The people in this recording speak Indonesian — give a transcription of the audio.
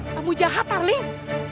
kamu jahat tarling